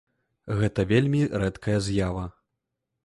Гэта вельмі рэдкая з'ява.